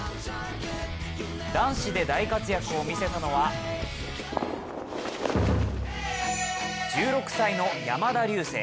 男子で大活躍を見せたのは１６歳の山田琉聖。